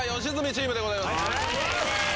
チームでございます。